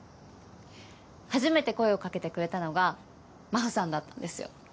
初めて声を掛けてくれたのが真帆さんだったんですよ。